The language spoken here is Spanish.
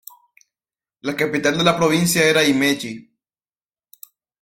La capital de la provincia era Himeji.